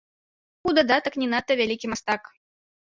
У дадатак не надта вялікі мастак.